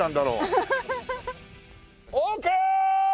オーケー！